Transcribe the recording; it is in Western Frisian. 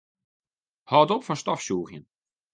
Hâld op fan stofsûgjen.